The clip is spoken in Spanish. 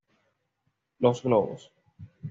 Los globos.